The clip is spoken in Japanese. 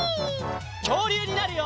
きょうりゅうになるよ！